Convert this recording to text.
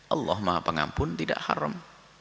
allah maha pengampun tidak haram